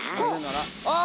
あ！